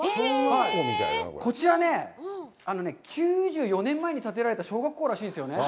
こちらね、９４年前に建てられた小学校らしいんですよね。